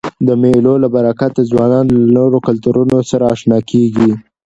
د مېلو له برکته ځوانان له نورو کلتورو سره اشنا کيږي.